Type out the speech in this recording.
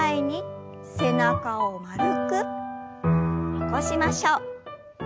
起こしましょう。